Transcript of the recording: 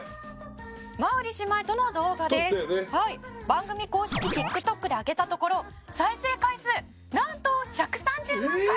「番組公式ＴｉｋＴｏｋで上げたところ再生回数なんと１３０万回！」